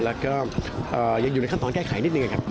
แล้วก็ยังอยู่ในขั้นตอนแก้ไขนิดนึงนะครับ